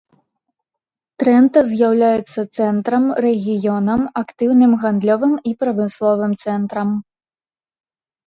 Трэнта з'яўляецца цэнтрам рэгіёнам актыўным гандлёвым і прамысловым цэнтрам.